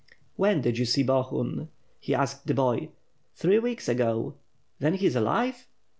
"When did you see Bohun?" he asked the boy. "Three weeks ago." "Then he is alive?"